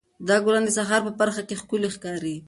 دا ګلان د سهار په پرخه کې ښکلي ښکاري.